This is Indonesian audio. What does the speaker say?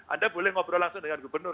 anda boleh ngobrol langsung dengan gubernur